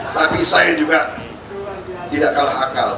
tapi saya juga tidak kalah akal